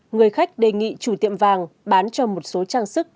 người khách đề nghị chủ tiệm vàng bán cho một số trang sức